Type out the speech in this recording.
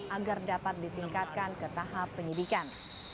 agar dapat ditingkatkan ke tahap penyidikan